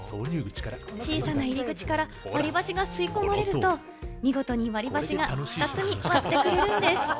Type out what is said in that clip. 小さな入り口から割り箸が吸い込まれると、見事に割り箸が２つに割ってくれるんです。